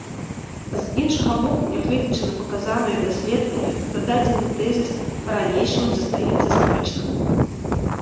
З іншага боку, нягледзячы на паказанае даследаванне, дадзены тэзіс па-ранейшаму застаецца спрэчным.